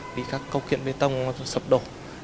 vì các câu kiện bê tông sập đổ